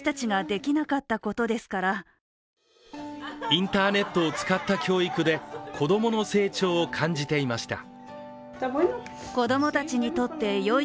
インターネットを使った教育で子供の成長を感じていました。